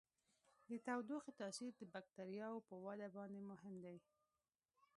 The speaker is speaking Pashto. د تودوخې تاثیر د بکټریاوو په وده باندې مهم دی.